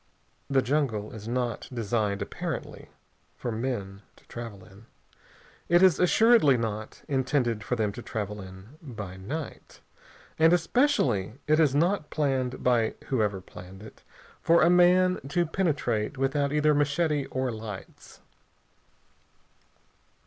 The jungle is not designed, apparently, for men to travel in. It is assuredly not intended for them to travel in by night, and especially it is not planned, by whoever planned it, for a man to penetrate without either machete or lights.